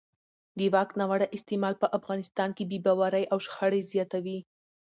د واک ناوړه استعمال په افغانستان کې بې باورۍ او شخړې زیاتوي